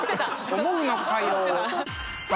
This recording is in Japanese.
思うのかよ。